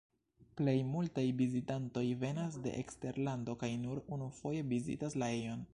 Plej multaj vizitantoj venas de eksterlando kaj nur unufoje vizitas la ejon.